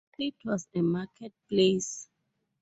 It was a market place.